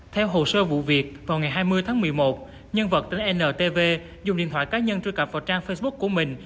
theo hồ sơ vụ việc vào ngày hai mươi tháng một mươi một nhân vật tên ntv dùng điện thoại cá nhân truy cập vào trang facebook của mình